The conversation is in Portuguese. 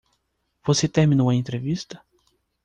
Você terminou a entrevista?